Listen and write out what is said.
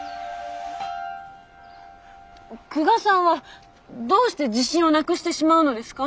久我さんはどうして自信をなくしてしまうのですか？